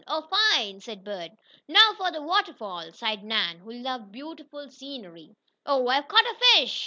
"Oh, fine!" said Bert. "Now for the waterfall!" sighed Nan, who loved beautiful scenery. "Oh, I've caught a fish!"